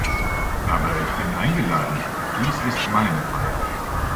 Aber ich bin eingeladen: Dies ist meine Feier.